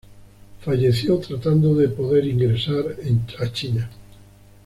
Falleció tratando de poder ingresar a China.